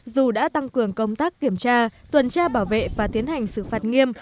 dù đã tăng cường công tác kiểm tra tuần tra bảo vệ và tiến hành xử phạt nghiêm